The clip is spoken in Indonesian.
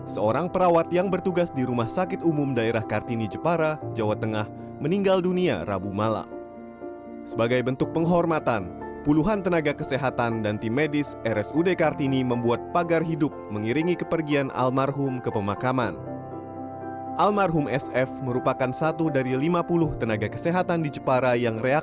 sampai jumpa di video selanjutnya